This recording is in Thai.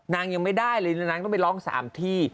ยังไม่ได้เลยนางต้องไปร้อง๓ที่